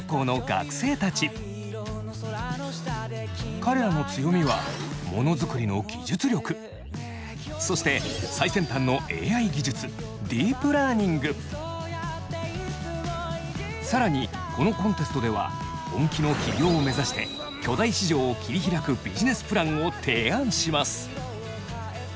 彼らの強みは更にこのコンテストでは本気の起業をめざして巨大市場を切り開くビジネスプランを提案します。